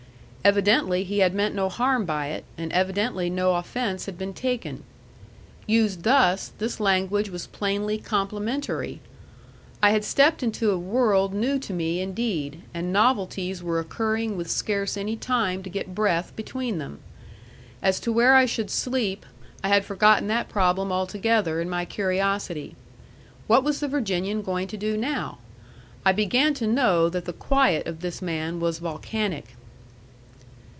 Evidently he had meant no harm by it, and evidently no offence had been taken. Used thus, this language was plainly complimentary. I had stepped into a world new to me indeed, and novelties were occurring with scarce any time to get breath between them. As to where I should sleep, I had forgotten that problem altogether in my curiosity. What was the Virginian going to do now? I began to know that the quiet of this man was volcanic.